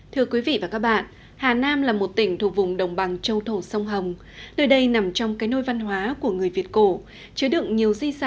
thưa quý vị và các bạn hà nam là một tỉnh thuộc vùng đồng bằng châu thổ sông hồng